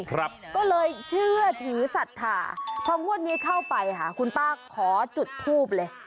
ก็เลยเชื่อถือศรัทธาพองวดนี้เข้าไปค่ะคุณป้าขอจุดทูบเลย